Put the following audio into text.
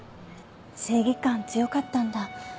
正義感強かったんだ。